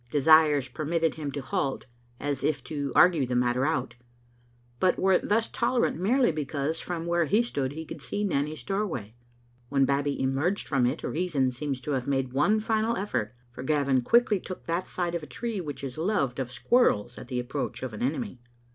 Desires permitted him to halt, as if to argue the matter out, but were thus tolerant merely because from where he stood he could see Nanny's doorway. When Babbie emerged from it reason seems to have made one final effort, for Gavin quickly took that side of a tree which is loved of squirrels at the approach of an enemy.